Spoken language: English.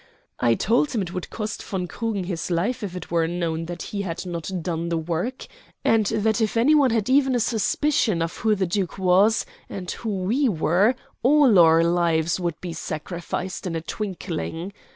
I told him it would cost von Krugen his life if it were known that he had not done the work, and that if any one had even a suspicion of who the duke was and who we were all our lives would be sacrificed in a twinkling.